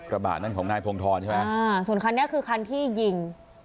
กระบะนั้นของนายพงธรใช่ไหมอ่าส่วนคันนี้คือคันที่ยิง